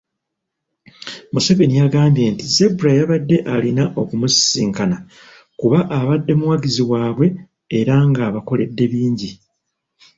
Museveni yagambye nti Zebra yabadde alina okumusisinkana kuba abadde muwagizi waabwe era ng'abakoledde bingi.